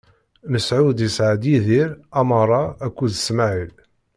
Mesɛud isɛa-d: Yidir, Amaṛa akked Smaɛil.